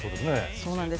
そうなんです。